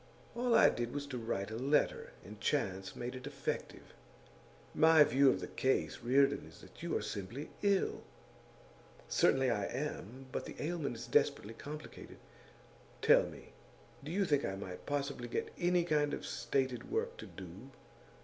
'All I did was to write a letter, and chance made it effective.' 'My view of the case, Reardon, is that you are simply ill.' 'Certainly I am; but the ailment is desperately complicated. Tell me: do you think I might possibly get any kind of stated work to do?